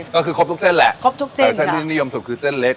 ก็คือครบทุกเส้นแหละครบทุกเส้นแต่เส้นที่นิยมสุดคือเส้นเล็ก